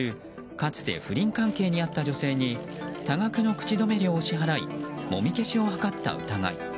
かつて不倫関係にあった女性に多額の口止め料を支払いもみ消しを図った疑い。